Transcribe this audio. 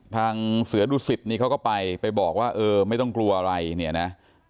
ทางเสือดุสิตนี่เขาก็ไปไปบอกว่าเออไม่ต้องกลัวอะไรเนี่ยนะ